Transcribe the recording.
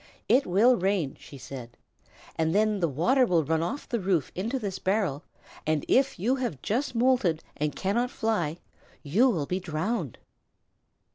"It will rain," she said, "and then the water will run off the roof into this barrel, and if you have just moulted and cannot fly, you will be drowned."